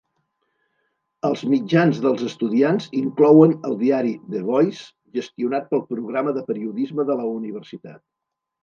Els mitjans dels estudiants inclouen el diari "The Voice", gestionat pel Programa de Periodisme de la Universitat.